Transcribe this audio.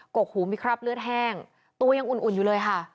กกหูมีคราบเลือดแห้งตัวยังอุ่นอยู่เลยค่ะ